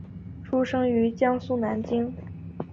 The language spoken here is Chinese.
出生于江苏南京。